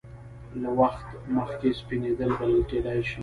له وخت مخکې سپینېدل بلل کېدای شي.